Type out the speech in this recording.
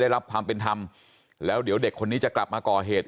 รับความเป็นธรรมแล้วเดี๋ยวเด็กคนนี้จะกลับมาก่อเหตุ